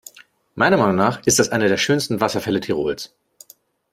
Meiner Meinung nach ist das einer der schönsten Wasserfälle Tirols.